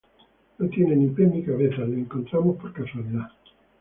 no tiene ni pies ni cabeza. les encontramos por casualidad.